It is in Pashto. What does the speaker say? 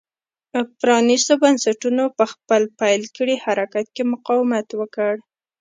پرانېستو بنسټونو په خپل پیل کړي حرکت کې مقاومت وکړ.